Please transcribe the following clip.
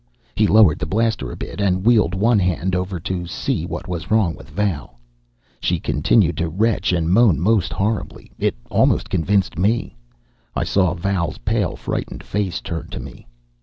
He lowered the blaster a bit and wheeled one hand over to see what was wrong with Val. She continued to retch and moan most horribly. It almost convinced me. I saw Val's pale, frightened face turn to me.